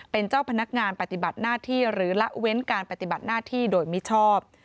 เป็นเจ้าพนักงานปฏิบัติหน้าที่หรือละเว้นการปฏิบัติหน้าที่โดยมิชอบ